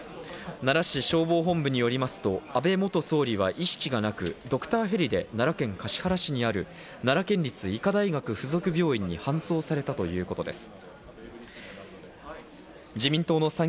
奈良市消防本部によりますと安倍元総理は意識がなく、ドクターヘリで奈良県橿原市にある奈良県立医科大学附属病院に搬送されたということです。